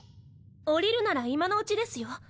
降りるなら今のうちですよ。